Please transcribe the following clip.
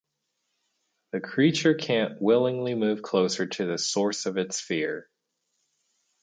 The creature can’t willingly move closer to the source of its fear.